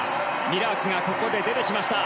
ミラークがここで出てきました。